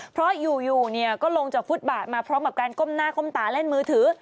เพราะอยู่เนี่ยก็ลงจากฟุตบาทมาพร้อมกับการก้มหน้าก้มตาเล่นมือถือ